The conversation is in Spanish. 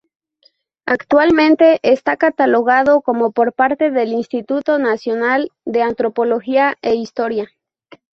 Actualmente está catalogado como por parte del Instituto Nacional de Antropología e Historia.